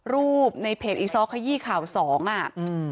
รูปในเพจอีซ้อขยี้ข่าวสองอ่ะอืม